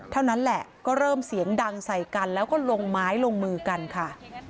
เท่านั้นแหละก็เริ่มเสียงดังใส่กันแล้วก็ลงไม้ลงมือกันค่ะ